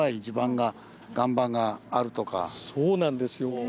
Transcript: そうなんですよ。